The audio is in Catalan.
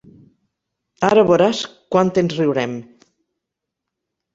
Ara voràs quant ens riurem.